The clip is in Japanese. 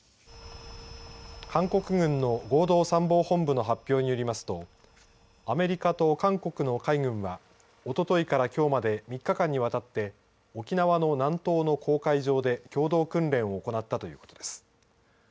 韓国軍の合同参謀本部の発表によりますとアメリカと韓国の海軍はおとといからきょうまで３日間にわたって沖縄の南東の公海上で共同訓練を行ったということです。